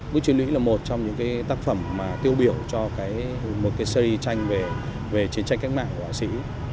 bức truyền nữ là một trong những tác phẩm tiêu biểu cho một cái series tranh về chiến tranh cách mạng của họa sĩ